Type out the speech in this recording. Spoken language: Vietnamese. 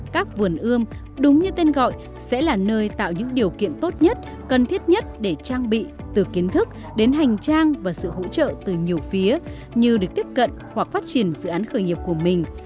các vườn ươm đúng như tên gọi sẽ là nơi tạo những điều kiện tốt nhất cần thiết nhất để trang bị từ kiến thức đến hành trang và sự hỗ trợ từ nhiều phía như được tiếp cận hoặc phát triển dự án khởi nghiệp của mình